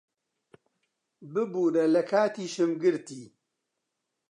ببوورە، لە کاتیشم گرتی.